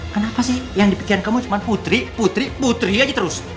kenapa sih yang di pikiran kamu cuma putri putri putri aja terus